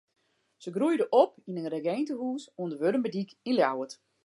Se groeide op yn in regintehûs oan de Wurdumerdyk yn Ljouwert.